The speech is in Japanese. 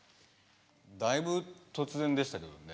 だいぶ突然でしたけどね。